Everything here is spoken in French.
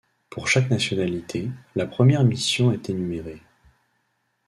Pour chaque nationalité, la première mission est énumérée.